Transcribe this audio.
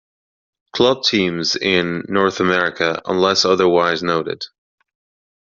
Club teams in North America unless otherwise noted.